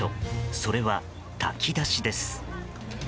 それは、炊き出しです。